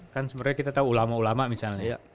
kan sebenarnya kita tahu ulama ulama misalnya